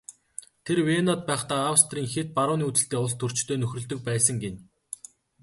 Тэр Венад байхдаа Австрийн хэт барууны үзэлтэй улстөрчтэй нөхөрлөдөг байсан гэнэ.